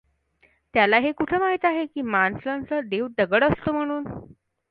त्याला हे कुठं माहीत आहे की, माणसांचा देव दगड असतो म्हणून?